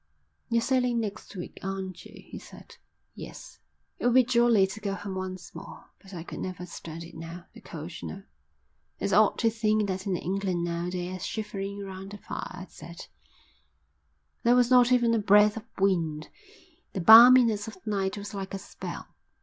"You're sailing next week, aren't you?" he said. "Yes." "It would be jolly to go home once more. But I could never stand it now. The cold, you know." "It's odd to think that in England now they're shivering round the fire," I said. There was not even a breath of wind. The balminess of the night was like a spell.